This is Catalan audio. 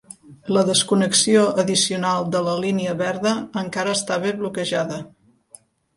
La desconnexió addicional de la Línia Verda encara estava bloquejada.